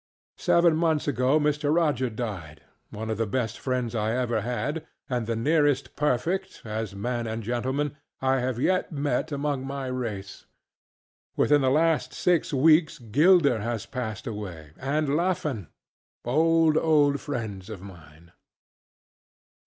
Seven months ago Mr. Rogers diedŌĆöone of the best friends I ever had, and the nearest perfect, as man and gentleman, I have yet met among my race; within the last six weeks Gilder has passed away, and LaffanŌĆöold, old friends of mine.